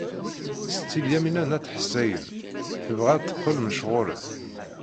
Setti Lyamina n At Ḥsayen tebɣa ad teqqel mechuṛet.